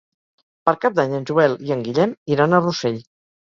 Per Cap d'Any en Joel i en Guillem iran a Rossell.